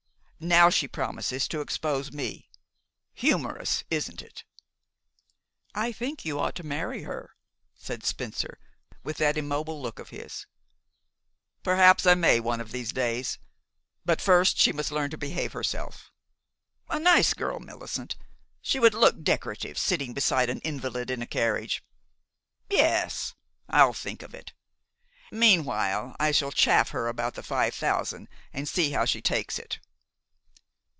Now she promises to 'expose' me. Humorous, isn't it?" "I think you ought to marry her," said Spencer, with that immobile look of his. "Perhaps I may, one of these days. But first she must learn to behave herself. A nice girl, Millicent. She would look decorative, sitting beside an invalid in a carriage. Yes, I'll think of it. Meanwhile, I shall chaff her about the five thousand and see how she takes it."